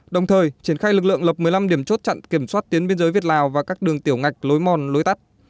đồng thời triển khai lực lượng lập một mươi năm điểm chốt chặn kiểm soát tuyến biên giới việt lào và các đường tiểu ngạch lối mòn lối tắt